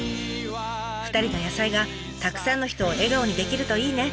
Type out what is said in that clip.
２人の野菜がたくさんの人を笑顔にできるといいね！